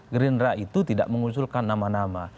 gerindra itu tidak mengusulkan nama nama